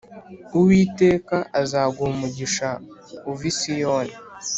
Uwiteka azaguha umugisha uva i Siyoni